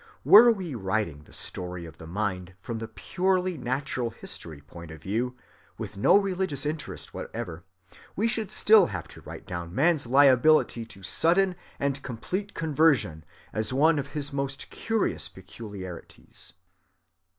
Were we writing the story of the mind from the purely natural‐history point of view, with no religious interest whatever, we should still have to write down man's liability to sudden and complete conversion as one of his most curious peculiarities.